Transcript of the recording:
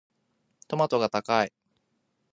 トマトが高い。